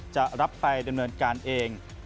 จะรับไปดำเนินการเอง